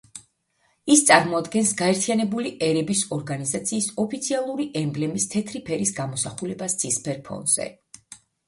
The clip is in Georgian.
ის წარმოადგენს გაერთიანებული ერების ორგანიზაციის ოფიციალური ემბლემის თეთრი ფერის გამოსახულებას ცისფერ ფონზე.